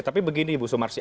tapi begini ibu sumarsih